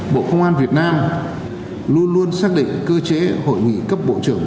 bộ công an việt nam luôn luôn xác định cơ chế hội nghị cấp bộ trưởng